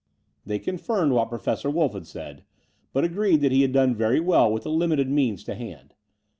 i They confirmed what Professor Wolff had said, but agreed that he had done very well with the limited means to hand.